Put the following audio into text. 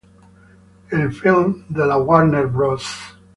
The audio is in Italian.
Il film" della Warner Bros.